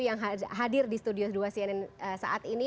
yang hadir di studio dua cnn saat ini